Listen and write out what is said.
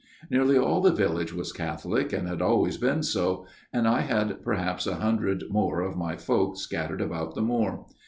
" Nearly all the village was Catholic, and had always been so ; and I had perhaps a hundred more of my folk scattered about the moor.